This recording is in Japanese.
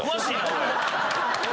おい！